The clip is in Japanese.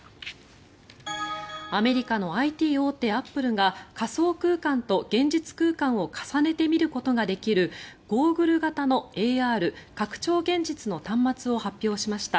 アメリカのＩＴ大手、アップルが仮想空間と現実空間を重ねて見ることができるゴーグル型のＡＲ・拡張現実の端末を発表しました。